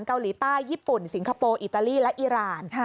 เกาหลีใต้ญี่ปุ่นสิงคโปร์อิตาลีและอิราณ